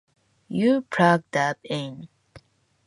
You Plug Dub In.